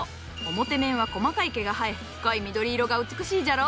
表面は細かい毛が生え深い緑色が美しいじゃろ？